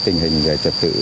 tình hình trật tự